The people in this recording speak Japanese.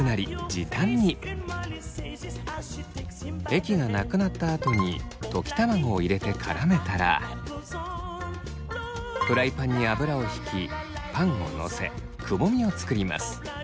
液がなくなったあとに溶き卵を入れて絡めたらフライパンに油を引きパンをのせくぼみを作ります。